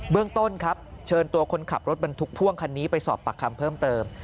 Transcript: เรื่องต้นครับเชิญตัวคนขับรถบรรทุกพ่วงคันนี้ไปสอบปากคำเพิ่มเติม